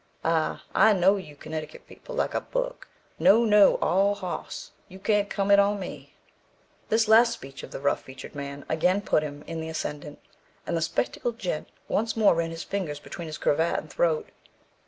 Ah! I know you Connecticut people like a book. No, no, all hoss; you can't come it on me." This last speech of the rough featured man again put him in the ascendant, and the spectacled gent once more ran his fingers between his cravat and throat.